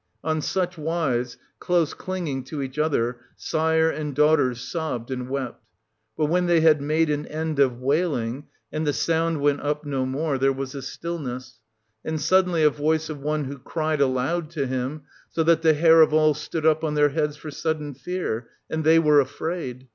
1620 On such wise, close clinging to each other, sire and daughters sobbed and wept. But when they had made an end of wailing, and the sound went up no more, there was a stillness ; and suddenly a voice of one who cried aloud to him, so that the hair of all stood up on their heads for sudden fear, and they were afraid.